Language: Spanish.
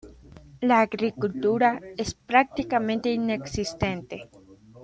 La agricultura es prácticamente inexistente.